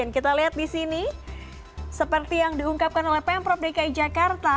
kita lihat di sini seperti yang diungkapkan oleh pemprov dki jakarta